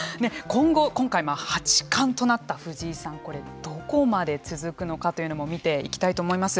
今後今回、八冠となった藤井さんこれどこまで続くのかというのも見ていきたいと思います。